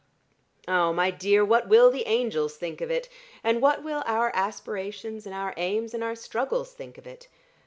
Oh, my dear, what will the angels think of it, and what will our aspirations and our aims and our struggles think of it?